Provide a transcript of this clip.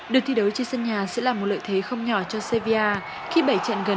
được thi đấu trên sân nhà sẽ là một lợi thế không nhỏ cho sevia khi bảy trận gần